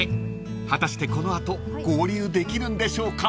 ［果たしてこの後合流できるんでしょうか？］